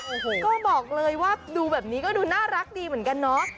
โอ้โหก็บอกเลยว่าดูแบบนี้ก็ดูน่ารักดีเหมือนกันเนาะ